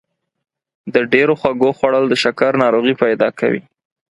د ډېرو خوږو خوړل د شکر ناروغي پیدا کوي.